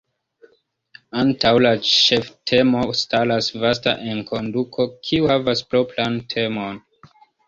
Antaŭ la ĉeftemo staras vasta enkonduko, kiu havas propran temon.